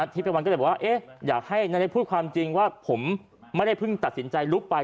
ทิพวันก็เลยบอกว่าอยากให้นาเล็กพูดความจริงว่าผมไม่ได้เพิ่งตัดสินใจลุกไป